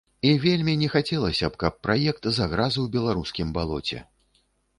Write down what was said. І вельмі не хацелася б, каб праект заграз у беларускім балоце.